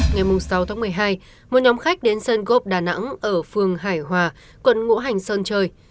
ngày sáu tháng một mươi hai một nhóm khách đến sơn gốc đà nẵng ở phường hải hòa quận ngũ hành sơn chơi